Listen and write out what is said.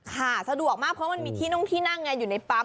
ค่ะสะดวกมากเพราะมันมีที่นั่งไงอยู่ในปั๊ม